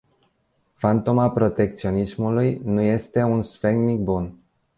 Fantoma protecționismului nu este un sfetnic bun!